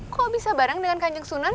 kok bisa bareng dengan kanjeng sunan